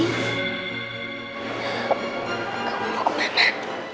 kamu mau kemana